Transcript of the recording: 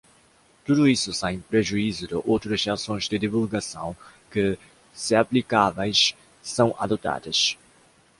Tudo isso sem prejuízo de outras ações de divulgação que, se aplicáveis, são adotadas.